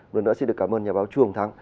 luôn nữa xin được cảm ơn nhà báo chuồng thắng